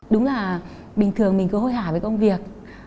đúng là bình thường mình cứ hôi với công việc